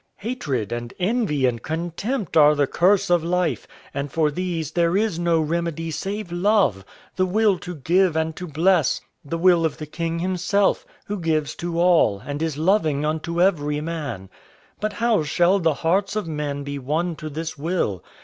"Hatred and envy and contempt are the curse of life. And for these there is no remedy save love the will to give and to bless the will of the King himself, who gives to all and is loving unto every man. But how shall the hearts of men be won to this will?